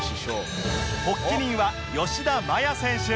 発起人は吉田麻也選手